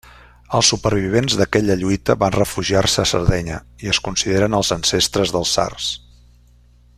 Els supervivents d'aquella lluita van refugiar-se a Sardenya i es consideren els ancestres dels sards.